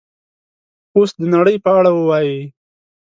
اوس د نړۍ په اړه ووایئ